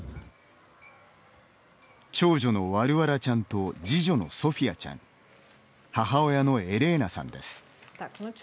長女のワルワラちゃんと次女のソフィアちゃん母親のエレーナさんです。